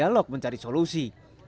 dan berdialog mencari solusi